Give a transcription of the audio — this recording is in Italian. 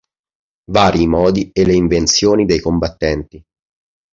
Vari i modi e le invenzioni dei combattenti.